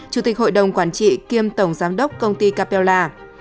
chủ tịch hội đồng quản trị kiêm tổng giám đốc công ty capella